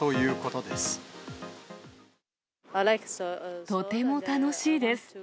とても楽しいです。